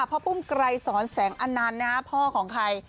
ปุ้มไกรสอนแสงอนันต์พ่อของใคร